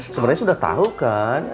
sebenarnya sudah tahu kan